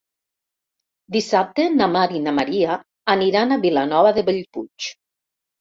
Dissabte na Mar i na Maria aniran a Vilanova de Bellpuig.